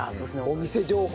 お店情報。